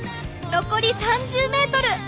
残り３０ｍ！